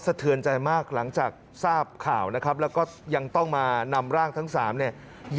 เทือนใจมากหลังจากทราบข่าวนะครับแล้วก็ยังต้องมานำร่างทั้ง๓เนี่ย